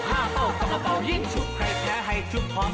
เฮ้เค้าว่าเป็นคนคออ่อน